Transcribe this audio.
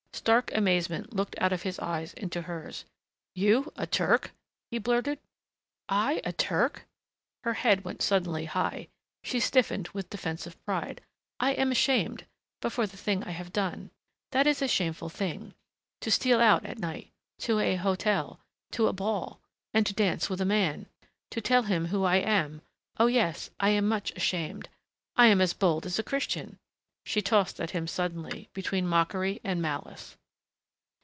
Stark amazement looked out of his eyes into hers. "You a Turk?" he blurted. "I a Turk!" Her head went suddenly high; she stiffened with defensive pride. "I am ashamed but for the thing I have done. That is a shameful thing. To steal out at night to a hotel to a ball And to dance with a man! To tell him who I am Oh, yes, I am much ashamed. I am as bold as a Christian!" she tossed at him suddenly, between mockery and malice.